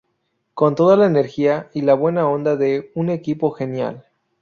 Con toda la energía y la buena onda de un equipo genial.